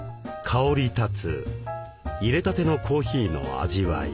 香りたついれたてのコーヒーの味わい。